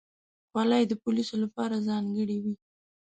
خولۍ د پولیسو لپاره ځانګړې وي.